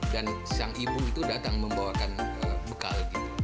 dan siang ibu itu datang membawakan bekal